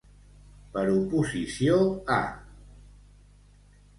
Per oposició a.